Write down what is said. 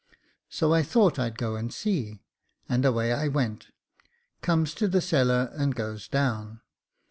So I thought I'd go and see, and away I went ; comes to the cellar, and goes down.